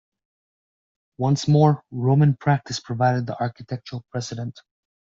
Once more, Roman practice provided the architectural precedent.